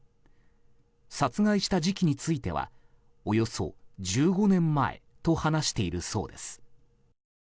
殺害した時期についてはおよそ１５年前と話しているそうです。